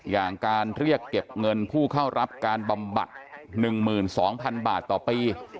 อย่างการเรียกเก็บเงินผู้เข้ารับการบำบัด๑๒๐๐๐บาทต่อปี